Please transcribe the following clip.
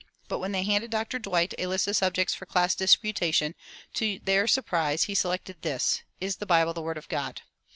But when they handed Dr. Dwight a list of subjects for class disputation, to their surprise, he selected this: 'Is the Bible the word of God?'